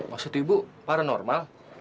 maksud ibu paranormal